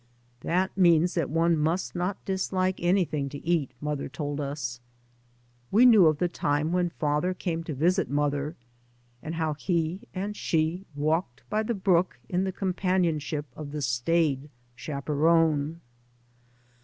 " That means that one must not dislike anything to eat," mother told us. We knew of the time when father came to visit mother, and how he and she walked by the brook in the companionship of the staid chaperon.